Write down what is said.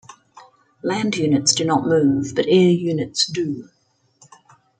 Land units do not move but air units do.